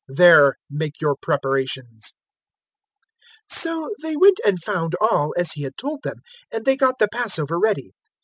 There make your preparations." 022:013 So they went and found all as He had told them; and they got the Passover ready.